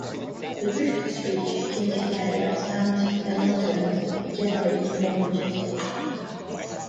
The drift of speech changes dialects and, in long terms, it generates new languages.